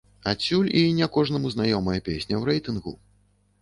Адсюль і не кожнаму знаёмая песня ў рэйтынгу.